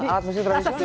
alat musik tradisional